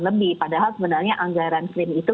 lebih padahal sebenarnya anggaran klaim itu